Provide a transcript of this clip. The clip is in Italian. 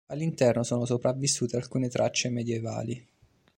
All'interno sono sopravvissute alcune tracce medioevali.